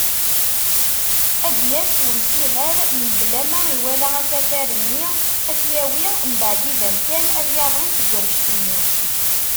Ad d-yas umsiher mebla ma iwala asafar-nni, ad t-yawi, mbaɛd iban kan ad yaḍen seg wanect-nni.